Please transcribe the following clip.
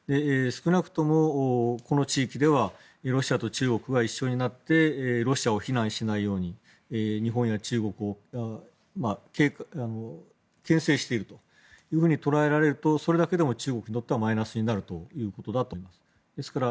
少なくともこの地域ではロシアと中国が一緒になってロシアを非難しないように日本や中国をけん制していると捉えられるとそれだけでも中国にとってはマイナスになるということだと思います。